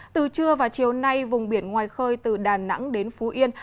từ trưa và chiều nay vùng biển ngoài khơi từ đà nẵng đến phú yên